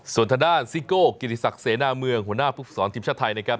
ส่วนทางด้านซิโก้กิติศักดิ์เสนาเมืองหัวหน้าภูมิสอนทีมชาติไทยนะครับ